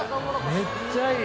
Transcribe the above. めっちゃいい！